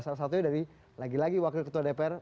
salah satunya dari lagi lagi wakil ketua dpr